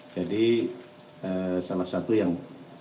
jadi salah satu yang